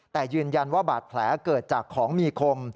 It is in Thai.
แต่ยืนยันว่าบาดแผลเกิดจากของมีคม